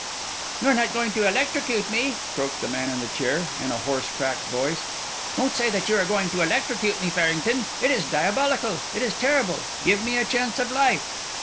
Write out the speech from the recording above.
"You are not going to electrocute me?" croaked the man in the chair, in a hoarse cracked voice. "Don't say that you are going to electrocute me, Farrington! It is diabolical, it is terrible. Give me a chance of life!